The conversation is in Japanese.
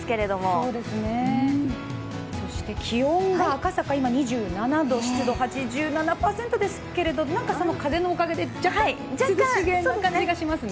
そして気温が赤坂が２７度、湿度８８％ですけれどもなんか風のおかげで若干涼しげな気がしますね